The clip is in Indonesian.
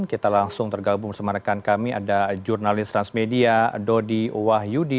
kita langsung tergabung bersama rekan kami ada jurnalis transmedia dodi wahyudi